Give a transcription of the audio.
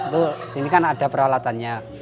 disini kan ada peralatannya